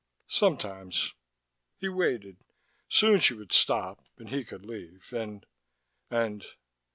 "... Sometimes." He waited. Soon she would stop, and he could leave, and.... And?